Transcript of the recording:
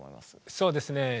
そうですね